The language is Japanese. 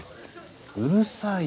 うるさいよ。